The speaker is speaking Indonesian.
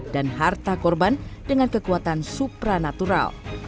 dan harta korban dengan kekuatan supranatural